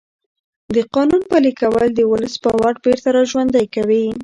د قانون پلي کول د ولس باور بېرته راژوندی کوي